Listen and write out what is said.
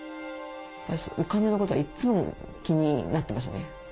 お金のことはいつも気になってましたね。